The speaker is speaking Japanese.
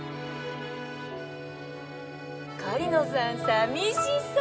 狩野さん寂しそう！